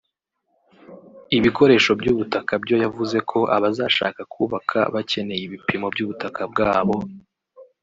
Ibikoresho by’ubutaka byo yavuze ko abazashaka kubaka bakeneye ibipimo by’ubutaka bwabo